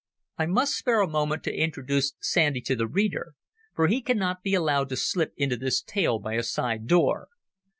I must spare a moment to introduce Sandy to the reader, for he cannot be allowed to slip into this tale by a side door.